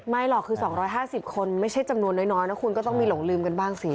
หรอกคือ๒๕๐คนไม่ใช่จำนวนน้อยนะคุณก็ต้องมีหลงลืมกันบ้างสิ